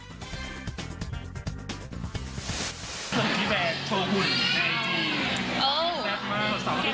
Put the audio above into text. ส่วนพี่แบกโชว์หุ่นในไอจี